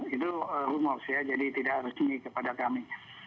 itu rumors ya jadi tidak harus ini kepada kami